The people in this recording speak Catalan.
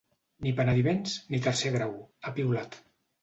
“Ni penediments, ni tercer grau”, ha piulat.